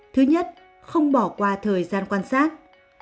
thứ nhất không bỏ qua thời gian quan sát